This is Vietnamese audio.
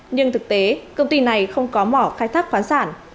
nhưng thực tế công ty này không có mỏ khai thác khoáng sản